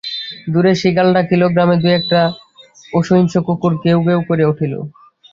দূরে শৃগাল ডাকিল, গ্রামে দুই-একটা অসহিষ্ণু কুকুর খেউ-খেউ করিয়া উঠিল।